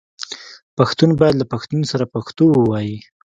پښتون باید له پښتون سره پښتو ووايي